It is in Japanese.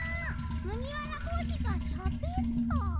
むぎわらぼうしがしゃべった？